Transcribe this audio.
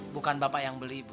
bukan bapak yang beli ibu